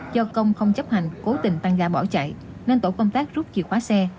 do công không chấp hành cố tình tăng ga bỏ chạy nên tổ công tác rút chìa khóa xe